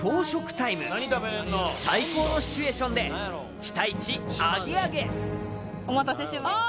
タイム最高のシチュエーションで期待値アゲアゲお待たせしました